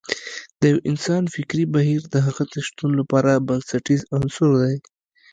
د يو انسان فکري بهير د هغه د شتون لپاره بنسټیز عنصر دی.